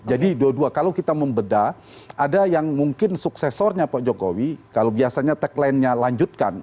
jadi dua dua kalau kita membeda ada yang mungkin suksesornya pak jokowi kalau biasanya tagline nya lanjutkan